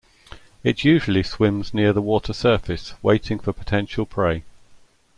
It usually swims near the water surface waiting for potential prey.